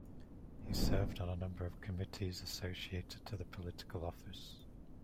He served on a number of committees associated to the political office.